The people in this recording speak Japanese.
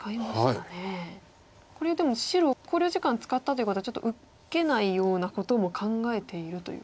これでも白考慮時間使ったということはちょっと受けないようなことも考えているということ？